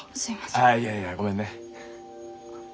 ああいやいやごめんね。